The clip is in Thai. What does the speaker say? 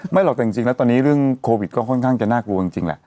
หรอกแต่จริงแล้วตอนนี้เรื่องโควิดก็ค่อนข้างจะน่ากลัวจริงแหละ